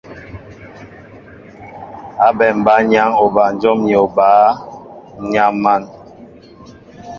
Ábɛm bǎyaŋ obanjóm ni obǎ, ǹ yam̀an !